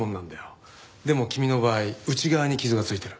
でも君の場合内側に傷がついてる。